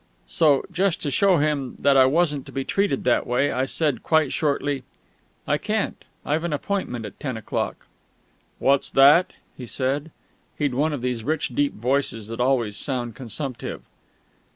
So, just to show him that I wasn't to be treated that way, I said, quite shortly, "I can't. I've an appointment at ten o'clock." "What's that?" he said he'd one of these rich deep voices that always sound consumptive.